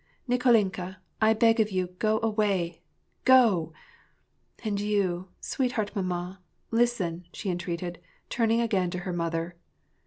" Nik61inka, I beg of you, go away ; go ! and you, sweetheart mamma,* listen," she entreated, turning again to her mother.